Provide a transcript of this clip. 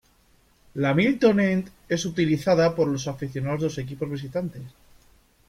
La Milton End es utiliza por los aficionados de los equipos visitantes.